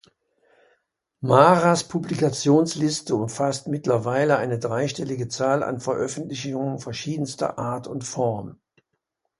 Maras Publikationsliste umfasst mittlerweile eine dreistellige Zahl an Veröffentlichungen verschiedenster Art und Form.